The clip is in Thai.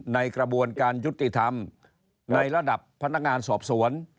ในกระบวนการยุติธรรมในระดับพนักงานสอบสวน